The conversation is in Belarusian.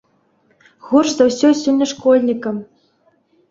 Горш за ўсё сёння школьнікам.